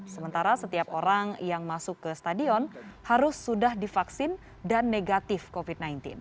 sementara setiap orang yang masuk ke stadion harus sudah divaksin dan negatif covid sembilan belas